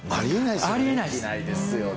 ありえないですよね。